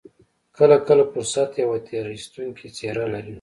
کله کله فرصت يوه تېر ايستونکې څېره لري.